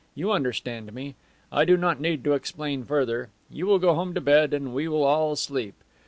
You understand me. I do not need to explain further. You will go home to bed and we will all sleep.